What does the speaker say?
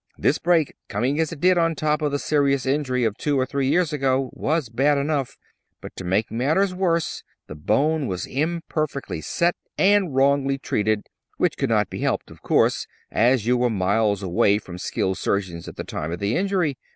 This break, coming as it did on top of the serious injury of two or three years ago, was bad enough; but, to make matters worse, the bone was imperfectly set and wrongly treated, which could not be helped, of course, as you were miles away from skilled surgeons at the time of the injury.